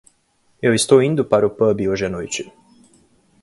Eu estou indo para o pub hoje à noite.